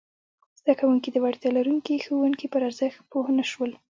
زده کوونکي د وړتیا لرونکي ښوونکي پر ارزښت پوه نه شول!